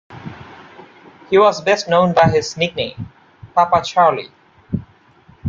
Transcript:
He was best known by his nickname, Papa Charlie.